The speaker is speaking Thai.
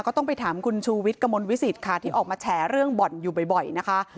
ก็ต้องไปถามคุณชูวิทย์กระมวลวิสิตค่ะที่ออกมาแฉเรื่องบ่อนอยู่บ่อยนะคะ